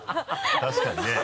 確かにね。